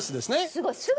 すごい。